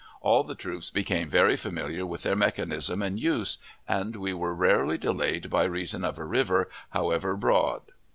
All the troops became very familiar with their mechanism and use, and we were rarely delayed by reason of a river, however broad.